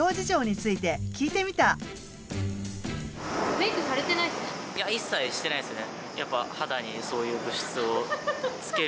メイクされてないですね？